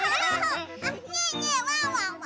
ねえねえワンワンは？